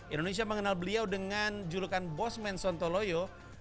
indonesia mengenal beliau dengan julukan bosman sontoloyo